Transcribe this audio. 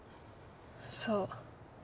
そう。